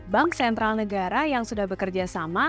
bank sentral negara yang sudah bekerja sama